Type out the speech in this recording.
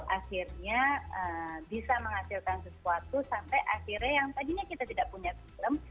akhirnya bisa menghasilkan sesuatu sampai akhirnya yang tadinya kita tidak punya film